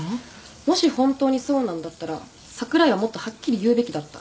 もし本当にそうなんだったら櫻井はもっとはっきり言うべきだった。